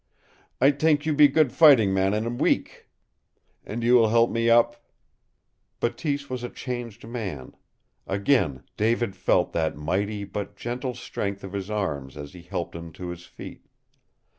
I t'ink you be good fighting man in week!" "And you will help me up?" Bateese was a changed man. Again David felt that mighty but gentle strength of his arms as he helped him to his feet.